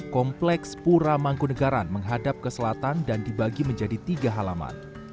kompleks pura mangkunegaran menghadap ke selatan dan dibagi menjadi tiga halaman